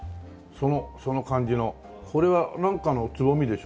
その感じのこれはなんかのつぼみでしょ？